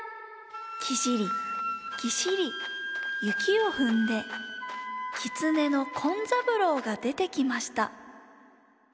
キシリキシリ雪をふんできつねの紺三郎がでてきました。